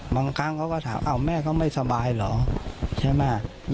บางครั้งเขาก็ถามแม่เขาไม่สบายเหรอใช่ไหม